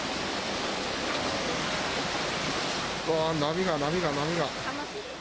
うわー、波が、波が、波が。